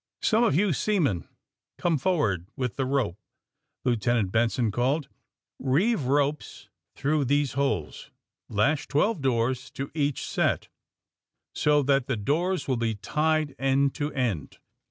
^^Some of you seamen come forward with the rope," Lieutenant Benson called. '^Eeeve ropes through these holes. Lash twelve doors to each set, so that the doors will be tied end to end.